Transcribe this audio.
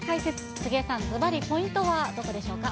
杉江さん、ずばりポイントはどこでしょうか。